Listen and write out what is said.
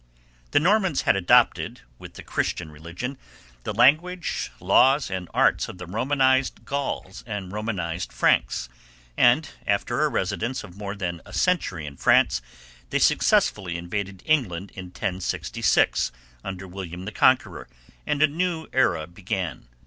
The Normans had adopted, with the Christian religion, the language, laws and arts of the Romanized Gauls and Romanized Franks, and after a residence of more than a century in France they successfully invaded England in 1066 under William the Conqueror and a new era began.